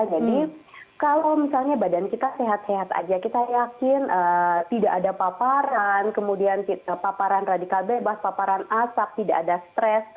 jadi kalau misalnya badan kita sehat sehat saja kita yakin tidak ada paparan kemudian paparan radikal bebas paparan asap tidak ada stres